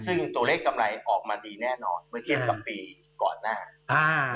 ซึ่งตัวเลขกำไรออกมาดีแน่นอนเมื่อเทียบกับปีก่อนหน้าอ่า